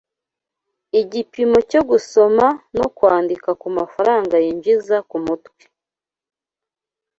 igipimo cyo gusoma no kwandika kumafaranga yinjiza kumutwe kurenga